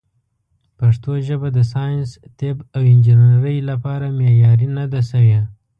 پښتو ژبه د ساینس، طب، او انجنیرۍ لپاره معیاري نه ده شوې.